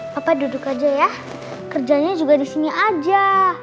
papa duduk aja ya kerjanya juga di sini aja